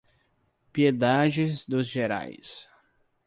Piedade dos Gerais